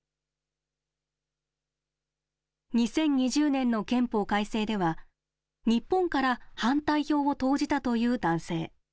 ２０２０年の憲法改正では、日本から反対票を投じたという男性。